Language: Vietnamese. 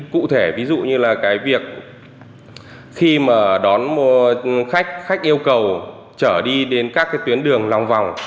cụ thể ví dụ như là cái việc khi mà đón khách yêu cầu chở đi đến các tuyến đường lòng vòng